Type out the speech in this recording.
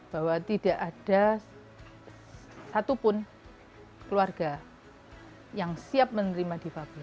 bahwa tidak ada satupun keluarga yang siap menerima divabel